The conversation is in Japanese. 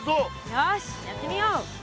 よしやってみよう。